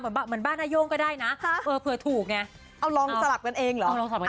เหมือนบ้านนาย่งก็ได้นะเผื่อถูกไงเอาลองสลับกันเองเหรอ